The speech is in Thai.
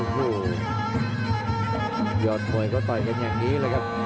โอ้โหยอดมวยก็ต่อยกันอย่างนี้เลยครับ